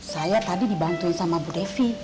saya tadi dibantuin sama bu devi pas nulis surat itu